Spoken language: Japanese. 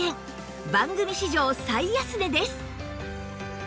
番組史上最安値です